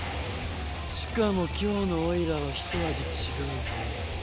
しかも今日のオイラはひと味違うぞ。